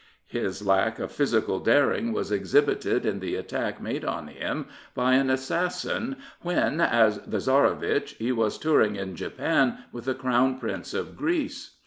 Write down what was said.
His lack of physical daring was exhibited in the attack made on him by an assassin when, as the Tsarevitch, he was touring in Japan with the Crown Prince of Greece.